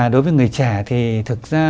đối với người trẻ thì thực ra